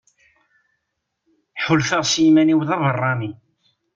Ḥulfaɣ s yiman-iw d abeṛṛani.